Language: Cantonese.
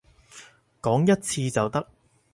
講一次就得